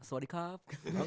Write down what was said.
oh gak gak